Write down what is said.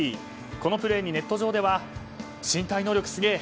このプレーにネット上では身体能力すげー